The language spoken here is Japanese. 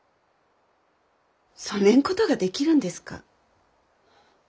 そねんことができるんですか？